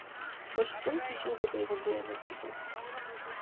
БШКнын чечими күтүлгөндөй эле болду.